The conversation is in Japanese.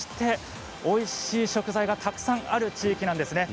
おいしい食材がたくさんある地域なんです。